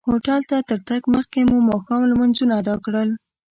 هوټل ته تر تګ مخکې مو ماښام لمونځونه ادا کړل.